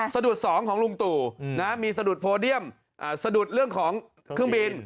สะดุด๒ของลุงตู่มีสะดุดโพเดียมสะดุดเรื่องของเครื่องบิน